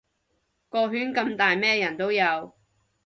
個圈咁大咩人都有